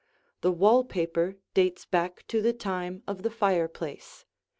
The wall paper dates back to the time of the fireplace.